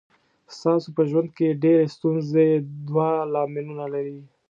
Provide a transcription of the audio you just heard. ستاسو په ژوند کې ډېرې ستونزې دوه لاملونه لري.